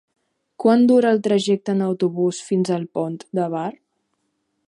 Quant dura el trajecte en autobús fins al Pont de Bar?